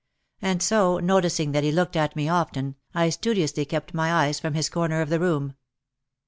And so, noticing that he looked at me often, I studiously kept my eyes from his corner of the room.